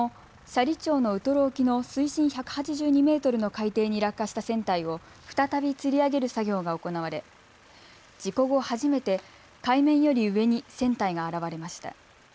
斜里町のウトロ沖の水深１８２メートルの海底に落下した船体を再びつり上げる作業が行われ事故後初めて海面より上に船体が現れました。